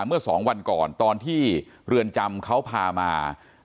เมื่อ๒วันก่อนตอนที่เรือนจำเขาพามา